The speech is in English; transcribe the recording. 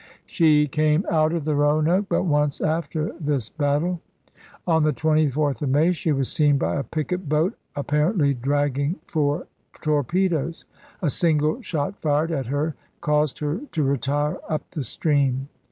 She came out of the Eoanoke but once after this battle ; on the 24th of May she was seen by a picket boat, appar ently dragging for torpedoes. A single shot fired at her caused her to retire up the stream.